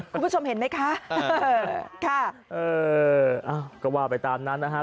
คุณผู้ชมเห็นไหมคะค่ะก็ว่าไปตามนั้นนะครับ